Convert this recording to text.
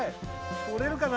とれるかな？